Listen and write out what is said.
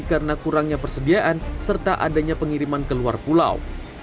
karena kurangnya persediaan serta adanya pengiriman ke luar pulau